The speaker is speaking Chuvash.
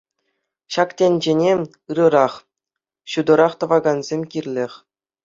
Ҫак тӗнчене ырӑрах, ҫутӑрах тӑвакансем кирлех.